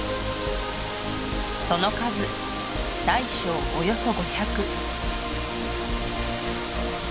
その数大小およそ５００